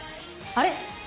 あれ？